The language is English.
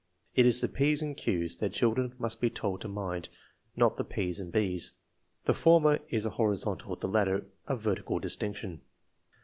It is the " p's and q's " that children must be told to mind; not the " p's and b's." The former is a hori zontal, the latter a vertical distinction.